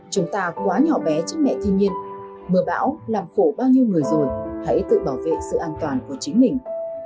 chúng ta quá nhỏ bé trước mẹ thiên nhiên mưa bão làm khổ bao nhiêu người rồi hãy tự bảo vệ sự an toàn của chính mình